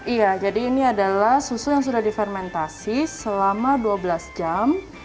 iya jadi ini adalah susu yang sudah difermentasi selama dua belas jam